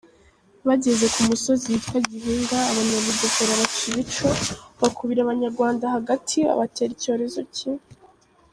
Bageze ku musozi witwa Gihinga abanyabugesera baca ibico; bakubira abanyarwanda hagati babatera icyorezo kibi